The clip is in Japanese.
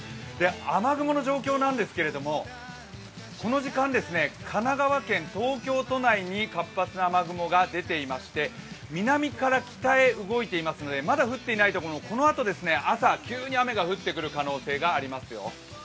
雨雲の状況なんですけれども、この時間、神奈川県、東京都内で活発な雨雲が出ていまして南から北へ動いていますので、まだ降っていない所もこのあと朝、急に雨、降ってくる可能性ありますよ。